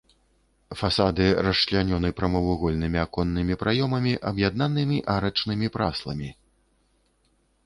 Фасады расчлянёны прамавугольнымі аконнымі праёмамі, аб'яднанымі арачнымі прасламі.